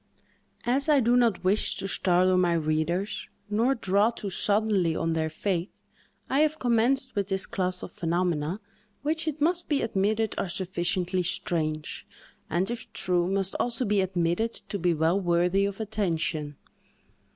As I do not wish to startle my readers, nor draw too suddenly on their faith, I have commenced with this class of phenomena, which it must be admitted are sufficiently strange, and, if true, must also be admitted to be well worthy of attention.